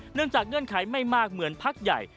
เงื่อนไขไม่มากเหมือนพักใหญ่